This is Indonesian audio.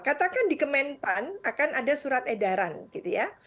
katakan di kemenpan akan ada surat edaran gitu ya